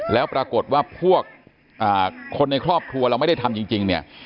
แล้วปรากฏว่าพวกคนในครอบครัวเราไม่ได้ทำจริงเนี่ย